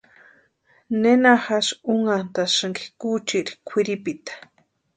¿Nena jásï únhantasïnki kuchiri kwʼiripita?